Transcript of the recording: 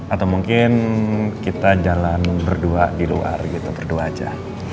atau mungkin kita jalan berdua di luar gitu berdua aja